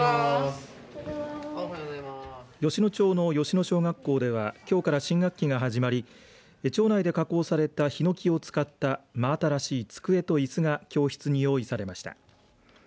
吉野町の吉野小学校ではきょうから新学期が始まり町内で加工されたひのきを使った真新しい机といすが教室に用意されました。